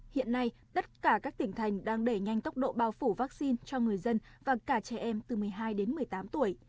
hiện nay tất cả các tỉnh thành đang đẩy nhanh tốc độ bao phủ vaccine cho người dân và cả trẻ em từ một mươi hai đến một mươi tám tuổi